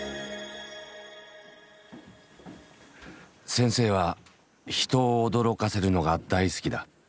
先生は人を驚かせるのが大好きだ。